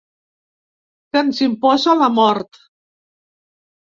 Que ens imposa la mort.